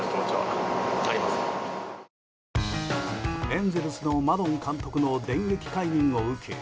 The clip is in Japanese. エンゼルスのマドン監督の電撃解任を受け